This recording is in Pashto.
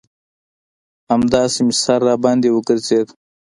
همداسې مې سر راباندې وگرځېد.